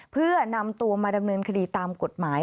เพื่อนำตัวมาดำเนินคดีตามกฎหมาย